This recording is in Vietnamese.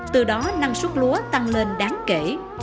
từ đó năng suất lúa tăng lên đáng kể